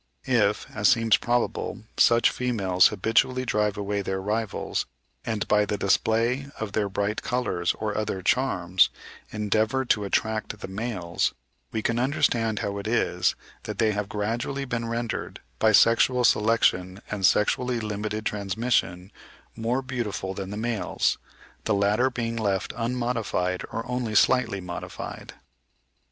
If, as seems probable, such females habitually drive away their rivals, and by the display of their bright colours or other charms endeavour to attract the males, we can understand how it is that they have gradually been rendered, by sexual selection and sexually limited transmission, more beautiful than the males—the latter being left unmodified or only slightly modified.